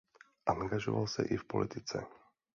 Angažoval se i v politice.